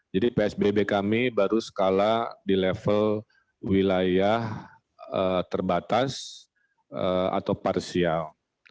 jadi psbb kami baru sekala di level wilayah terbatas atau parsial